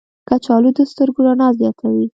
کچالو د سترګو رڼا زیاتوي.